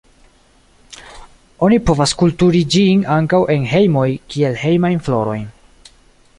Oni povas kulturi ĝin ankaŭ en hejmoj kiel hejmajn florojn.